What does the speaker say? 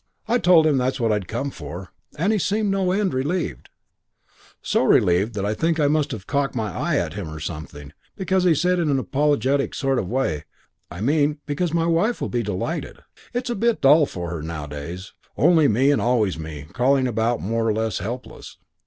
"I told him that's what I'd come for; and he seemed no end relieved, so relieved that I think I must have cocked my eye at him or something, because he said in an apologetic sort of way, 'I mean, because my wife will be delighted. It's a bit dull for her nowadays, only me and always me, crawling about more or less helpless.'